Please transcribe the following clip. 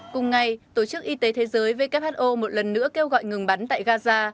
cùng ngày tổ chức y tế thế giới who một lần nữa kêu gọi ngừng bắn tại gaza